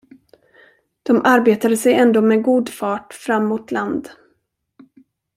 De arbetade sig ändå med god fart fram mot land.